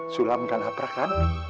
sulam dan nabrakan